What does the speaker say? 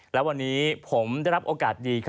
และวันนี้ผมได้รับโอกาสดี